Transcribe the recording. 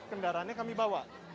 kendaraannya kami bawa